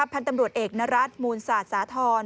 พันธุ์ตำรวจเอกนรัฐมูลศาสตร์สาธรณ์